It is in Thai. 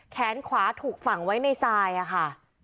แขนขวาถูกฝังไว้ในทรายค่ะ